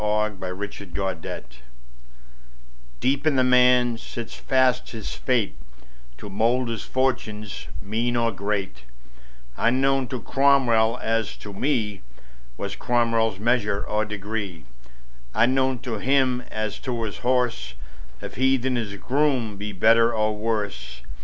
Ralph Waldo Emerson Fate DEEP in the man sits fast his fate To mould his fortunes, mean or great: Unknown to Cromwell as to me Was Cromwell's measure or degree; Unknown to him as to his horse, If he than his groom be better or worse.